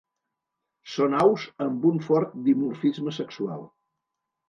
Són aus amb un fort dimorfisme sexual.